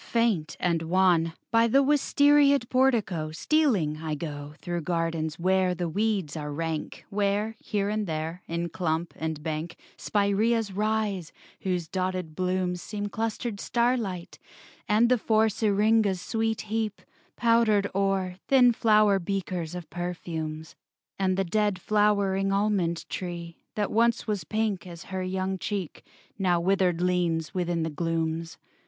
Faint and wan, By the wistariaed portico Stealing, I go Through gardens where the weeds are rank: Where, here and there, in clump and bank, Spiræas rise, whose dotted blooms Seem clustered starlight; and the four Syringas sweet heap, powdered o'er, Thin flower beakers of perfumes; And the dead flowering almond tree, That once was pink as her young cheek, Now withered leans within the glooms.